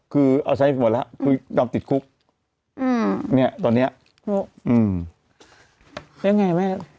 คือเอาใช้หมดแล้วคือยอมติดคุกอืมเนี้ยตอนเนี้ยอืมแล้วยังไงแม่